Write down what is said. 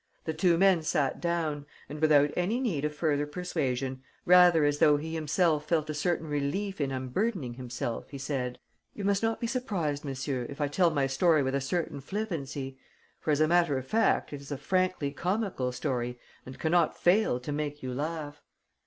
The two men sat down, and, without any need of further persuasion, rather as though he himself felt a certain relief in unburdening himself, he said: "You must not be surprised, monsieur, if I tell my story with a certain flippancy, for, as a matter of fact, it is a frankly comical story and cannot fail to make you laugh.